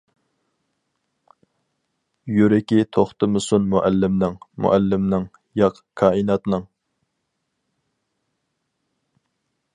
يۈرىكى توختىمىسۇن مۇئەللىمنىڭ، مۇئەللىمنىڭ؟ ! ياق، كائىناتنىڭ!